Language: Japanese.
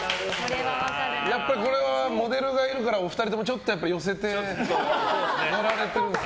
やっぱりこれはモデルがいるからお二人ちょっと寄せてやられてるんですか？